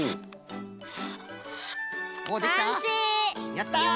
やった！